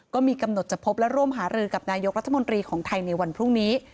ก็มีกำหนดจะพบและร่วมหารือกับนายกรัฐมนตรีของไทยในวันพรุ่งนี้